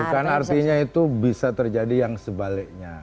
bukan artinya itu bisa terjadi yang sebaliknya